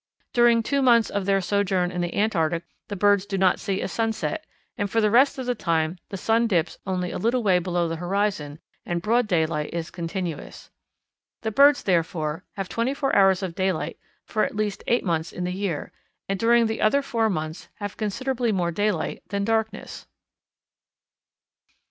During two months of their sojourn in the Antarctic the birds do not see a sunset, and for the rest of the time the sun dips only a little way below the horizon and broad daylight is continuous. The birds, therefore, have twenty four hours of daylight for at least eight months in the year, and during the other four months have considerably more daylight than darkness."